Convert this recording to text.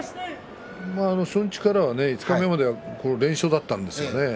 初日から五日目までは連勝だったんですよね。